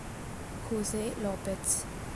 José López